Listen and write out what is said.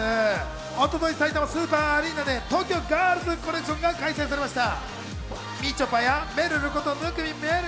一昨日、さいたまスーパーアリーナで東京ガールズコレクションが開催されました。